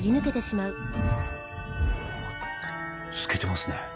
透けてますね。